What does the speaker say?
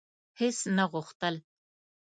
هیڅ نه غوښتل: